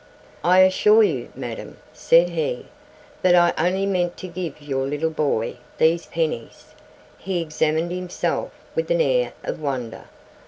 "I assure you, Madam," said he, "that I only meant to give your little boy these pennies." He examined himself with an air of wonder.